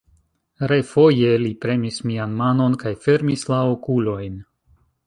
Refoje li premis mian manon kaj fermis la okulojn.